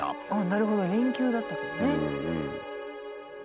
なるほど連休だったからね。